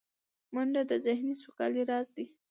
منډه د ذهني سوکالۍ راز دی